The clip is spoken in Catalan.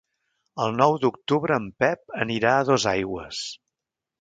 El nou d'octubre en Pep anirà a Dosaigües.